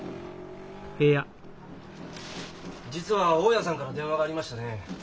実は大家さんから電話がありましてね